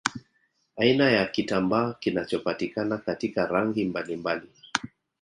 Aina ya kitambaa kinachopatikana katika rangi mbalimbali